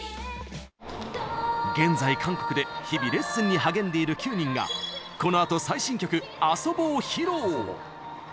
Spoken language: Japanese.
現在韓国で日々レッスンに励んでいる９人がこのあと最新曲「ＡＳＯＢＯ」を披露。